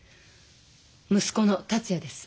息子の達也です。